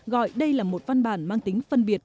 gọi đây là một văn bản mang tính phân biệt